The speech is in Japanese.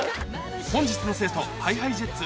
本日の生徒ＨｉＨｉＪｅｔｓ